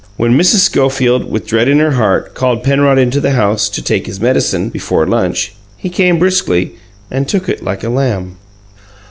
When Mrs. Schofield, with dread in her heart, called Penrod into the house "to take his medicine" before lunch, he came briskly, and took it like a lamb!